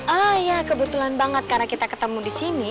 oh ya kebetulan banget karena kita ketemu di sini